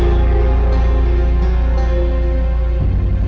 boleh bisa nih